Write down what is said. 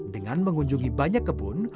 dengan mengunjungi banyak kebun